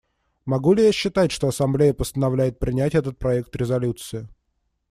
Могу ли я считать, что Ассамблея постановляет принять этот проект резолюции?